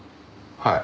はい。